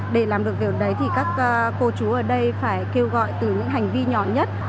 để làm được việc đấy thì các cô chú ở đây phải kêu gọi từ những hành vi nhỏ nhất